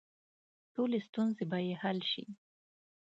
ټولې ستونزې به یې حل شي.